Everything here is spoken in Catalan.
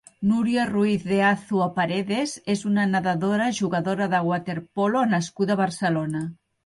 Núria Ruiz de Azua Paredes és una nedadora i jugadora de waterpolo nascuda a Barcelona.